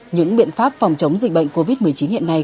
những biện pháp phòng chống dịch bệnh covid một mươi chín hiện nay